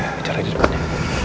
bicara di depannya